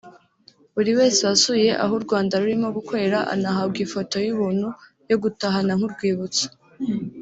Buri wese wasuye aho u Rwanda rurimo gukorera anahabwa ifoto y’ubuntu yo gutahana nk’urwibutso